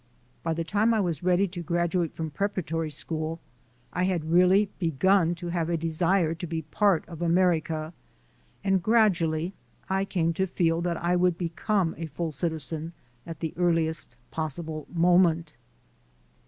By the time I was ready to graduate from preparatory school, I had really begun to have a 196 THE SOUL OF AN IMMIGRANT desire to be a part of America, and gradually I came to feel that I would become a full citizen at the earliest possible moment.